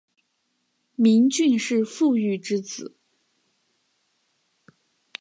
明俊是傅玉之子。